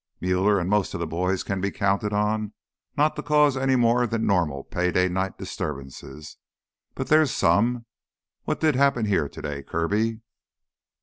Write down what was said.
"Muller and most of the boys can be counted on not to cause any more than the normal pay night disturbances. But there're some.... What did happen here today, Kirby?"